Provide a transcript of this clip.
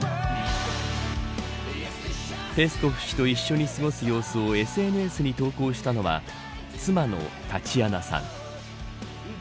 ペスコフ氏と一緒に過ごす様子をＳＮＳに投稿したのは妻のタチアナさん。